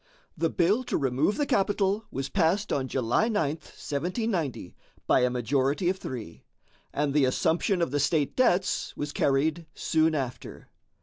The bill to remove the capital was passed on July 9, 1790, by a majority of three, and the assumption of the state debts was carried soon after.